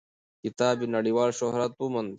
کتاب یې نړیوال شهرت وموند.